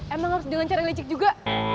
emang harus jalan jalan licik juga